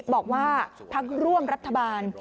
บอกว่าพักร่วมรัฐบาล